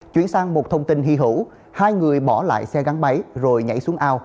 chuyển sang một thông tin hy hữu hai người bỏ lại xe gắn máy rồi nhảy xuống ao